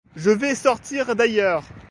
Je vais sortir d'ailleurs.